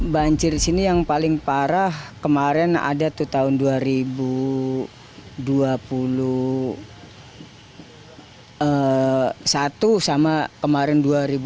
banjir di sini yang paling parah kemarin ada tuh tahun dua ribu dua puluh satu sama kemarin dua ribu dua puluh